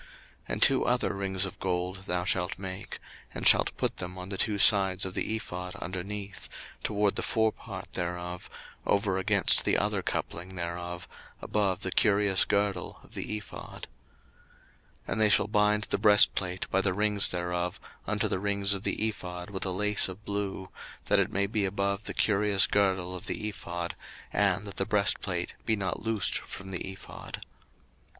02:028:027 And two other rings of gold thou shalt make, and shalt put them on the two sides of the ephod underneath, toward the forepart thereof, over against the other coupling thereof, above the curious girdle of the ephod. 02:028:028 And they shall bind the breastplate by the rings thereof unto the rings of the ephod with a lace of blue, that it may be above the curious girdle of the ephod, and that the breastplate be not loosed from the ephod.